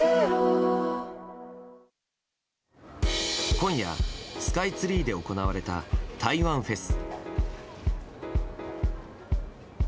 今夜、スカイツリーで行われた台湾フェス。